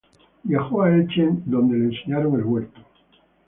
Viajó a Elche, en donde le enseñaron el huerto.